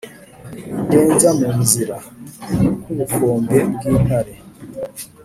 wigenza mu nzira, nk'ubukombe bw'intare,